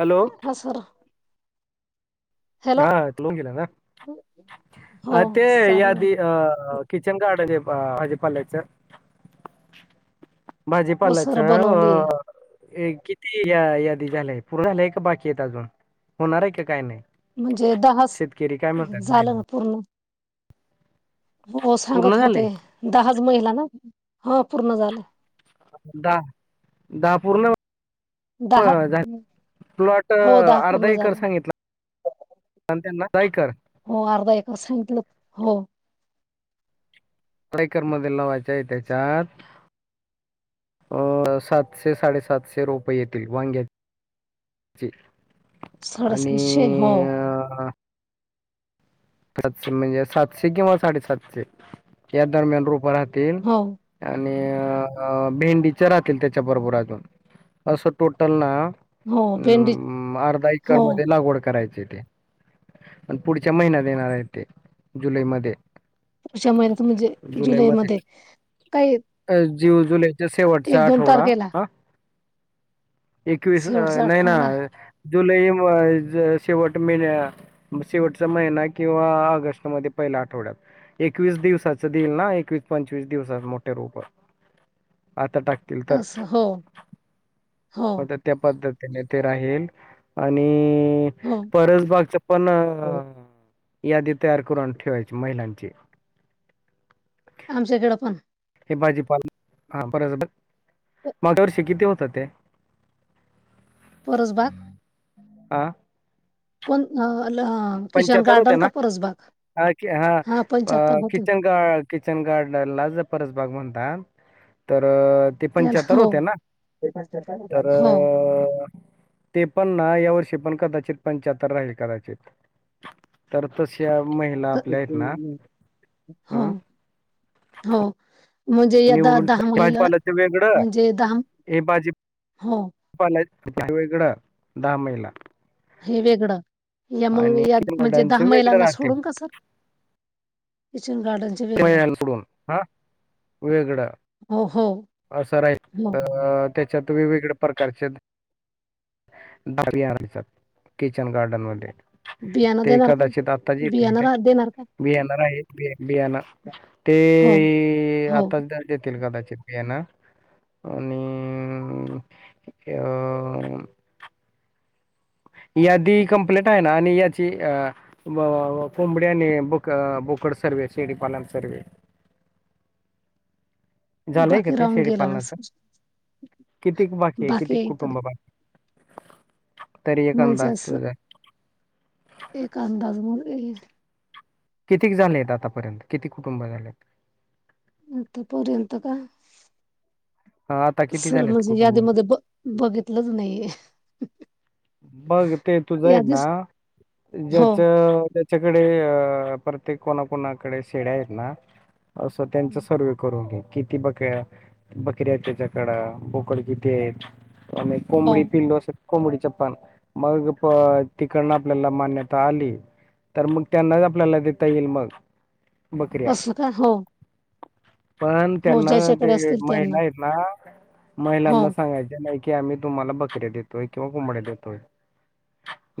Hello बसर हा लोून गेला ना हो ते या चालू आधी झालं अ किचन गार्डनचे अजे पल्लच हो सर बनवली भाजीपालायचं आहे. किती या यादी झालंय पूर्ण झालंय का बाकी य अजून होणार आहे का काय नाही म्हणजे दहा शेतकरी काय म्हणतात झालं महिला ना पूर्ण हो पूर्ण सांगत झाले होते दहाच महिला ना हा पूर्ण झाले दहा दहा पूर्ण दहा झा प्लॉट हो दहा अर्धा पूर्ण एकर झाला सांगितला आणि त्यांना जाय कर हो अर्धा एकाच सांगितलं हो आईकर मध लावायच्याय त्याच्यात अ सातशे साडेसातशे रुपये येतील वांग्या [unintelligible] आणि साडेसातशे हो सातशे म्हणजे सातशे किंवा साडेसातशे या दरम्यान रोप राहतील हो आणि भेंडीच्या राहतील त्याच्या बरोबर अजून असं टोटल ना हो भेंडी हम अर्धा एकर हो मध्ये लागवड करायची ते प पुढच्या महिन्या येणार आहे ते जुलै मध्ये उ्या महिन्यात म्हणजे जुलै मध्ये काही जीव जुलैच्या एक शेवटचा दोन आठवडा तारखेला हा एकवीस शेवटचा नाही ना आठवडा जुलै शेवट मेन्या शेवटचा महिना किंवा ऑगस्ट मध्ये पहिल्या आठवड्यात एकवीस दिवसाच देईल ना एकवीस पंचवीस दिवसाात मोठे रूप आता टक अस हो हो मग तर त्या पद्धतीने ते राहील आणि हो परसबागच पण यादी तयार करून ठेवायची महिलांची आमच्याकडें पण हे भाजीपाल हा बरंच माग्या वर्षी किती होतं ते [inaudible] पोरसबाग हा कोण अला पंचतर होते ना हा हां, होते. किचन किचन गार्डन ला जर परस बाग म्हणतात तर ते त्याला पंचाहत्तर हो, होते ना तर हो, ते पण ना या वर्षी पण कदाचित पंचाहत्तर राहील कदाचित तर तश महिला आपल्या आहेत ना हो, हम हो म्हणजे यदा निवडून दहा ठेव महिला भाजीपालाचं वेगळं म्हणजे दहा हो लाय वेगळां दहा महिला हे वेगळं या मंग आणि या किचन म्हणजे गार्डनच दहा वेगळं मैलांना राहते सोडून का सर किचन गारडन कडून हा वेगळं हो हो असं राही हो. त्याच्यात वेगवेगळ्या प्रकारचे किचन गार्डन मध्ये बियाणं ते देणार का? एदाचित आत्ताजी येतले बियाणं रा काय देणार का? बियाणार आहे बि बियाणा ते हो, हो. आता जर तील कदा चित ना आणि या आदी कमप्लीट आहे ना आणि याची अ कोंबड्या आणि बक बोकड सर्वे शेडीपालन सर्वे झालंय का बाकी ते राहून गेला ना शेडीपालनाच सर. कितीक बाकी आहे कितीक कुटुंब बाकी तरी एक म्हणजे अंदाज अस तुझा. एक अंदाज मु ये किती झाले आहेत आतापर्यंत किती कुटुंब झाले आहेत आतापर्यंत का अ, आता किती सर झालेत म्हणजे कुटुंब? यादीमध्ये ब बघितलंच नाही मघ ते तू जाई ना हो, ज्याच त्याच्याकडे अ प्रत्येक कोणाकणाकडे शेड्या आहेत ना असं त्यांचा सर्व करून घे किती बकऱ्या बकऱ्या आहेत त्याच्याकड बोकड किती आहेत हो कोंबडी पिंडो अस कोंबडी चप पण मग तिकडनं आपल्याला मान्यता आली तर मग त्यांनाच आपल्याला देता येईल मग बकऱ्या. असं का हो पण हो त्यांना ते ज्याच्याकडे असतील त्यांना. महिला आहेत ना हो, महिलांना सांगायचे नाही की आम्ही तुम्हाला बकऱ्या देतोय किंवा कोबड्या दोय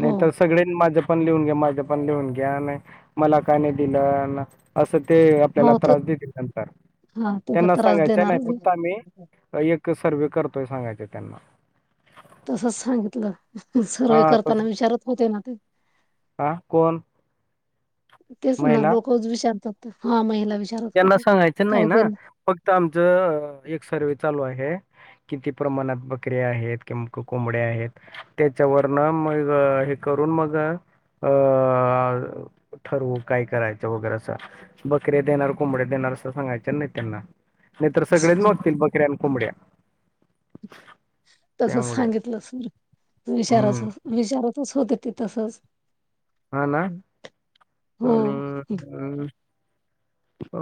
हो, सगळे्यां माझ्या पण लिहून घ्या माझ्या पण लिहून घ्या मला काय नाही दिलं असं ते आपल्याला हो तर त्रास देतील नंतर हां तिथं त्यांना त्रास सांगायच नाही देणारच आहे. फक्त आम्ही एक सर्व करतोय सांगायच त्यांना तसच सांगितलं सर्व हां करताना तसं होते ना ते हां कोण? तेच ना महिला? लोकच विचारतात हा महिला विषार त्यांना सांगायचं नाही ना फक्त आमचं एक सर्वे चालू आहे किती प्रमाणात बकरी आहेत किं कोंबड्या आहेत त्याच्यावरन मग हे करून मग अ ठरवू काय करायचं वगैरे अस बकऱ्या देणार ब दे सांगाय नाही त्यांना नाहीर सगळेच ब्यां हो मुड तसच सांगितलं सर विचारच हम्म विचाराातच होते ते तसच हा ना आणि अ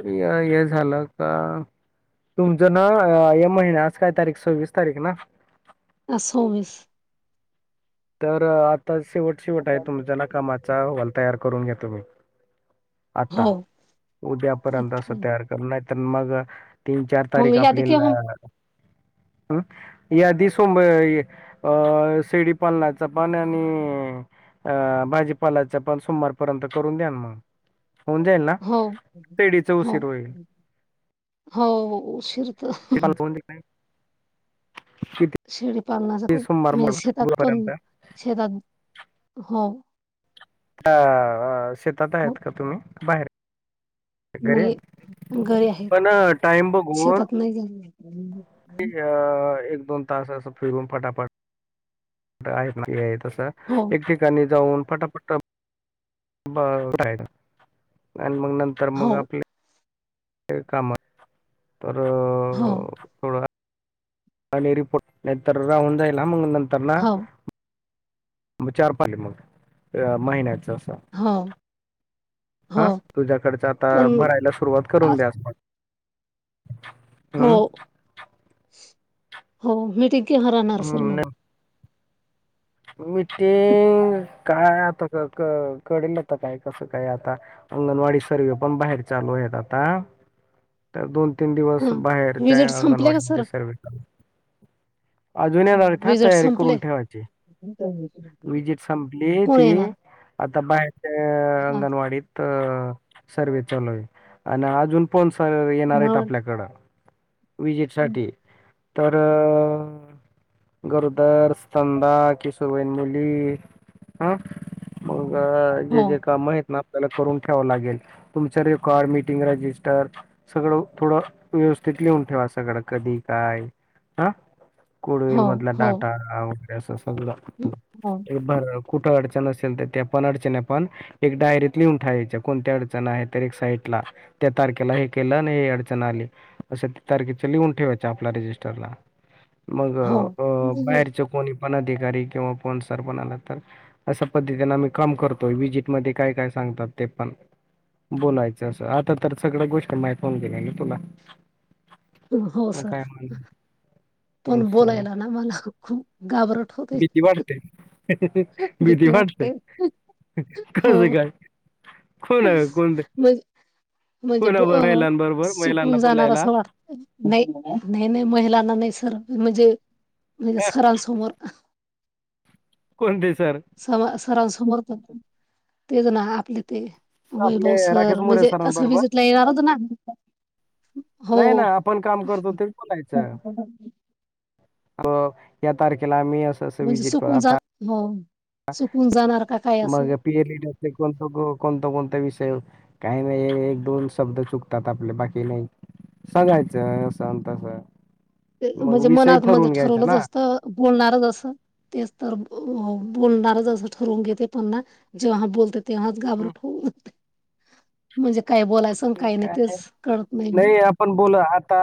हे झालं का तुमचं ना या महिन्याज काय तारीख सव्वीस तारीख ना आसमस तर आता शेवट शेवट आहे तुमचा ना कामाचा हॉल तयार करून घ्या तुम्ही आता हो. उद्यापर्यंत असं तयार कर नाही तर मग तीन चार मग तारीख आपली यादी केव्हा ह् याध सोब शेडी पनलाचं पाण आणि अ भाजीपालाच्या पण सोमवारपर्यंत करून द्यान मग मुणजेल ना हो शेळीचा हो उशीर होईल हो उशीर तर क काल फोन दिखाय शेडी पाण्याचा खूप सोमवार म्हणजे मग शेतात पण बुधवारपर्यंत शेतात हो अ शेतात हो आहेत का तुम्ही बाहेर घ नाही घरी आहेत. पण टाइम बघून शेतात नाही हम् ते अ एक दोन तास असं फिरून फटाफट तर आहेना हे तस हो एक एक. ठिकाणी जाऊन फटाफट ब [unintelligible] आणि मग न तर हो मग आपले [unintelligible] काम तर हो. थोडं आणि रिपोट नेतर राउड जाायला मंग नंतर ना हो मग चार पाले मग महिन्याच असं. हो. हो हा तुझ्याकडच आता पण भरायला सुरुवात करून [unintelligible] आ- द्यासण हो हो मीटिंग केव्हा राहणार सर हम्म मग! नाही मी तेे काय आता कळेल आता काय कसं काय आता. अंगणवाडी सर्वे पण बाहेर चालू आहेत आता. तर दोन, तीन दिवस ह बाहेरच्या विजिट संपले का अंगणवाडी मध्ये सर सर्वे चालू आहे. अजून या जा हा तयारी करून ठेवायची. ह [unintelligible] विजिट संपली ती आता बाहेरच्या अ ह अंगणवाडीत. तर सर्वे चालू आहे. आणि अजून पण सर येणार हो आहेत. आपल्याकडं. विजिट साठी तर अ गरदर स्तंदा किशो वैन मुली हं. मग हो जे जे काम आहेत. आपल्याला करून ठेव लागेल तुमच रेकॉर्ड मीटिंग रजिस्टर. सगळं थोडं व्यवस्थित लेहून ठेवा सगळं कधी काय ह कोड होईल मधला हो डाटा. आ गॅस सजज [unintelligible] हो बर कुठं अडचण असेल तर ते पण अडचण पण एक डायरीत लिहून उंठायच्या कोणत्या अडचण आहे तर एक साईड ला. त्या तारखेला हे केलं आणि हे अडचण आली असं तारखेचं लिहून ठेवाच आपल्या रजिस्टरला मग हो ब बाहेर कोणी पण अधिकारी किंवा कोण सर पण आला तर अशा पद्धतीं आम्ही काम करतोय विजिटमध्ये काय काय सांगतात ते पण बोलायचं असं आता तर सगळ्या गोष्टी माहीत हून केल्या ना तुला. हो मग सर काय म्हण पण असं बोलायला ना मला खूप घाबरट होते. भीती वाटते. हं भीती वाटते हं हं हो. कसं काय अ कोण आहे? कोण म म्हणजे ब कोणाबरोबर महिलांबरोबर महिलांना सुकून जाणार बोलायला असं वाटत नाही नाही नाही महिलांना नाही सर म्हणजे मजे सरांसमोर. कोणते सर. समर सरान समोर नको तेच ना आपले ते आपले वैभव राकेश सर मोरे म्हणजे असं सरांबरोबर विजिटला येणार होत ना. हो नाही ना आपण काम करतो ते बोलायचं. बघ तारखेला आम्ही अस म्हणजे सुकून जा हो सुकून जाणार का काय असं पी [unintelligible] कोणत ग कोणता कोणता विषय. काही नाही एक दोन शब्द चुकतात आपले बाकी नाही सगायचं. ते तू म्हणजे विषय मनात मध्ये ठरवून घ्यायचा ठरवलंच ना असतं बोलणारच असं तेच तर बोल बोलणारच असं ठरवून घेते पण ना जेव्हा हा बोलते तेव्हाच हम्म, घाबरत होऊन जाते म्हणजे काय बोलायचं काही नाही तेच कळत नाही मी पण बोल आता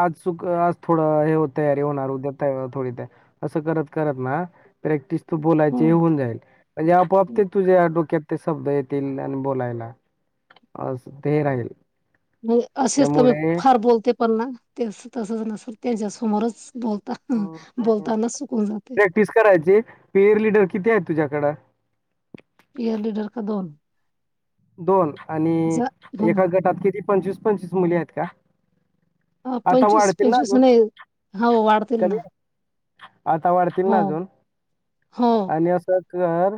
आज चुक आज थोडं हे तयारी होणार उद्या थोडी ते [unintelligible] असं करत करत ना प्रॅक्टिस त हं बोलायचे हे होन जाईल म्हणजे आपआप ते तुझ्या डोक्यात ते शब्द येतील आणि बोलायला ते राहील म्हणजे असेच तर मी त्यामुळे फार बोलते पण ना ते तसच नसेल त्यांच्यासमोरच बोलता ह बोलताना सुकून जाते क् करायचे पेअर ललीडर किती आहे तुझ्याकड इयर लिडर का दोन दोन आणि जा एका गटात किती पंचवीस पंचवीस मुली आहेत का हा आता पंचवीस वाढतील ना पंचवीस अजून? नाही हो वाढतील कमी ना आता वाढतील हो ना अजून हो आणि असं कर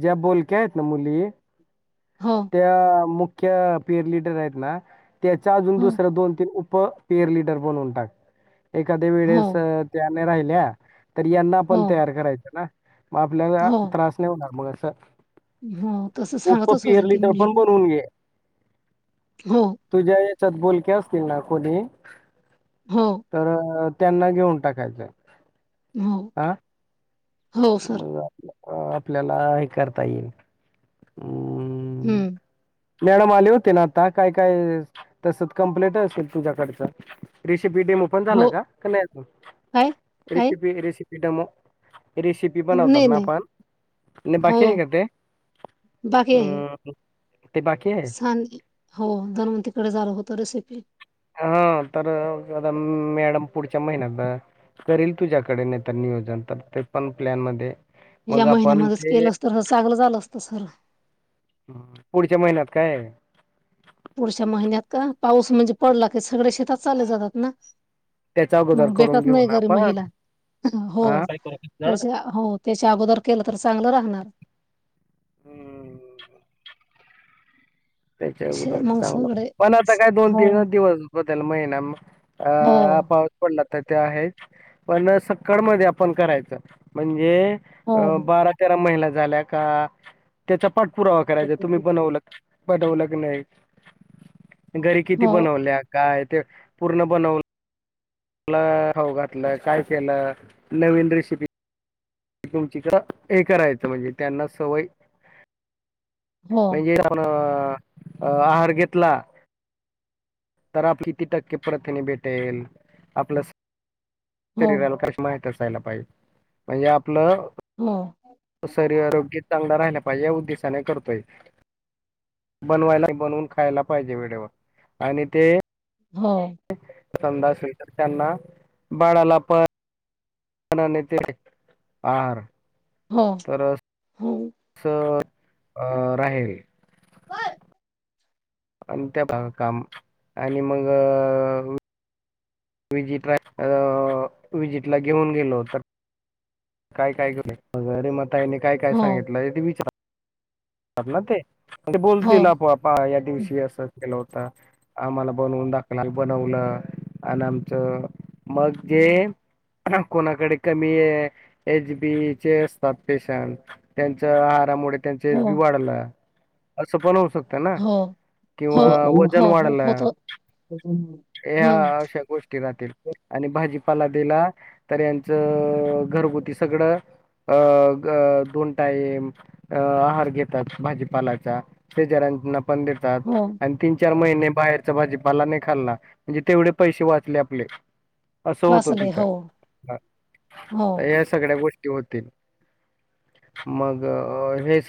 ज्या बोलक्या आहेत ना मुली हो मुख्य पेरिडर आहेत ना त्याच्या अजून हो दुसर दोन तीन उप पेर लिडर पण टात एखाद्या हो वेळेस त्याने राहिल्या तर यांना हो पण तयार करायच ना मग आपल्याला हो त्रास नाही होणार मग असं हो तसं उप सांगतच पेर होतेेत लिडर मुली पण बनवून घे हो तुझ्या याच्यात बोलक्या असतील ना कोणी हो तर त्यांना घेऊन टाकायचं हो हं हो सर अ आपल्याला हे करता येईल हम् हम्म नेणम आले होते ना आता काय काय तसच कं्प्लेट असेल तुझ्याकडचं रेसिपी डेमो पण झालं हो का नाहीजून काय काय रेसिपी रेसिपी डेमो रेसिपी बनवतात नाही ना नाही आपण आणि हो बाकी आहे का ते ते बाकी आहे सां हो धनवतीिकडे झालं होत रेसिपी हा तर मॅडम. पुढच्या महिन्यात करील तुझ्याकडे नाही तर नियोजन तर ते पण प्लॅन म या्या महिन्यामध्येच केलं अस तर चांगलं झालं असत सर. पुढच्या महिन्यात काय. पुढच्या महिन्यात का पाऊस म्हणजे पडला क सगळे शेतात चालले जातात ना. त्याच्या अगोदर मग करून भेटत घेऊ नाही ना घरी आपण महिला हो. हां. काय करू? जाणार का? त्याच्या हो त्याच्या अगोदर केलं तर चांगलं राहणार. हम्. शे त्याच्यागबर मग चांगलं सगळे पण आता काय दोन हो तीन दिवस हो त्या महिनाग. अ हो पा. पडला तर ते आहे पण सक्कळ मध्ये आपण करायचं म्हणजे. हो अ बारा तेरा महिला झाल्या का त्याचा पाठपुरावा हो करायचा तुम्ही बनवलं. बनवल नाही घरी किती हो बनवल्या काय ते पूर्ण बनव. आपऊ घातलं काय केलं नवीन रेसिपी तुमचीकडं हे करायचं म्हणजे त्यांना सवय हो म्हणजे आपण आहार घेतला तर आप किती टक्के प्रथने भेटेल आपलं. हो शरीराला क माहीत असयला पाहिजे म्हणजे आपलं. होम. शरीर आरोग्य चांगलं राहिला पाहिजे या उद्देशाने करतोय. बनवायला बनवून खायला पाहिजे वेळेवर आणि ते. हो.. सधा स्टर त्यांना बाळाला पण नां नाही ते आर हं! तर. असं अ राहील. अन त्या काम आणि मंग अं. विजिट रा अं विजिट ला घेऊन गेलो तर. काय, काय केलंय अ म ताईनी काय काय हो सांगितलं त विचार. [unintelligible] [unintelligible] ते ते बोलतील हो आपोआपा या दिवशी असं केलं होत. आम्हाला बनवून दाखलं बनवलं आणि आमचं मग जे. कोणाकडे कमी एच बीचे असतात पेशंट. त्यांच्या आहारामुळे त्यांच एच बी हो वाढला असं पण होऊ शकत. ना हो किंवा हो वजन हो हो वाढला. होत या हम्म अशा गोष्टी राहतील. आणि भाजीपाला दिला, तर यांचं घरगुती सगळं अ ग दोन टाईम अ हार घेतात भाजीपालाचा ते जरां न पण देतात हो आणी तीन चार महिने बाहेरचा भाजीपाला नही खाल्ला, म्हणजे तेवढे पैसे वाचले आपले. असं होतं वाचले हो तिथं हो सगळ्या गोष्टी होतील मग हे स